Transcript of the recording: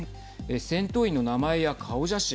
戦闘員の名前や顔写真